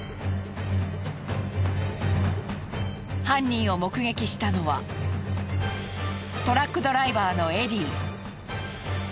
犯人を目撃したのはトラックドライバーのエディ。